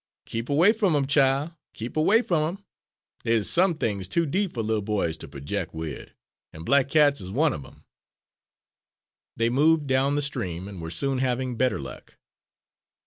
"Keep away f'm 'em, chile, keep away f'm 'em. Dey is some things too deep fer little boys ter projec' wid, an' black cats is one of 'em." They moved down the stream and were soon having better luck.